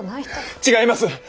違います！